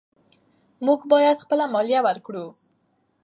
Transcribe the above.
موږ باید خپله مالیه ورکړو.